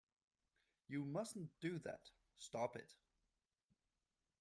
You mustn't do that. Stop it!